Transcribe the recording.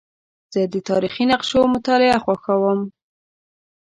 زه د تاریخي نقشو مطالعه خوښوم.